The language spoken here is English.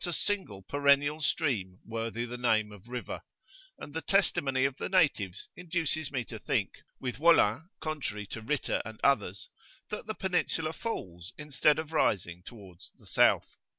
4]a single perennial stream worthy the name of river;[FN#4] and the testimony of the natives induces me to think, with Wallin, contrary to Ritter and others, that the Peninsula falls instead of rising towards the south.